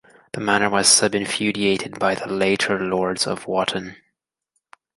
The manor was subinfeudated by the later lords of Wotton.